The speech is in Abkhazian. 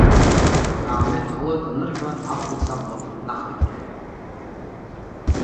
Акаамеҭ ҟалоит анырҳәа, ахәац аблақәа ҭнахит рҳәеит.